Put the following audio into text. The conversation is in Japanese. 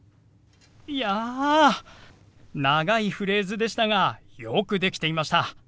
いや長いフレーズでしたがよくできていました。